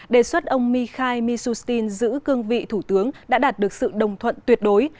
đề xuất ông mikhail mishustin giữ cương vị thủ tướng đã đạt được sự đồng thuận tuyệt đối